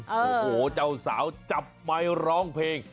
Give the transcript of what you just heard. โหเจ้าสาวจับไปร้องเพลง